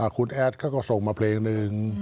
คุณแอดเขาก็ส่งมาเพลงหนึ่ง